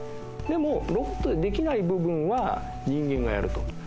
でもロボットにできない部分は人間がやると。